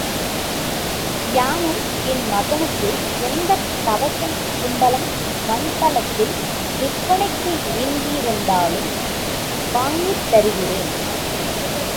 யானும் என் மகனுக்கு அந்தக் கவசம் குண்டலம் மண் தலத்தில் விற்பனைக்கு எங்கிருந்தாலும் வாங்கித் தருகிறேன்.